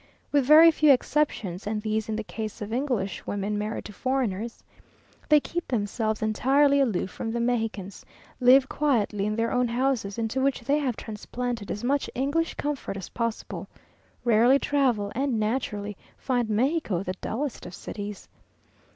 With very few exceptions (and these in the case of English women married to foreigners); they keep themselves entirely aloof from the Mexicans, live quietly in their own houses, into which they have transplanted as much English comfort as possible, rarely travel, and naturally find Mexico the dullest of cities.